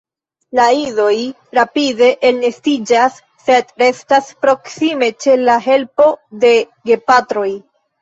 La idoj rapide elnestiĝas sed restas proksime ĉe la helpo de gepatroj.